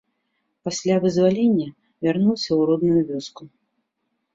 Пасля вызвалення вярнуўся ў родную вёску.